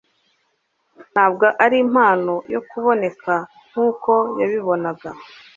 ntabwo ari impano yo kuboneka nkuko yabibonaga